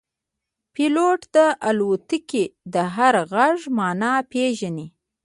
پیلوټ د الوتکې د هر غږ معنا پېژني.